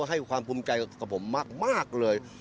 ให้ความภูมิใจกับผมมากเลย